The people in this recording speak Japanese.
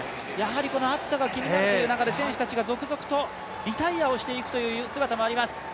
この暑さが気になるという中で、選手たちが続々とリタイアしていくという姿もあります。